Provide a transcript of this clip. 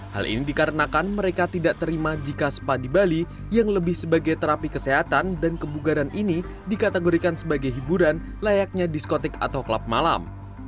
hal ini dikarenakan mereka tidak terima jika spa di bali yang lebih sebagai terapi kesehatan dan kebugaran ini dikategorikan sebagai hiburan layaknya diskotik atau klub malam